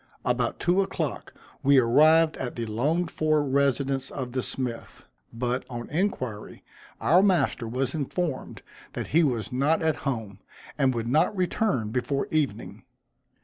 About two o'clock we arrived at the longed for residence of the smith; but, on inquiry, our master was informed that he was not at home, and would not return before evening.